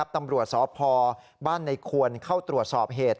ตำรวจสพบ้านในควรเข้าตรวจสอบเหตุ